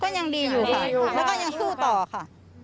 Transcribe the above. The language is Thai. ยังดีอยู่ค่ะแล้วก็ยังสู้ต่อค่ะ